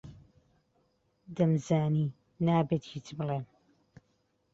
دەمزانی نابێت هیچ بڵێم.